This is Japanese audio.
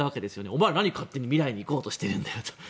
お前ら、何勝手に未来に行こうとしてるんだよと。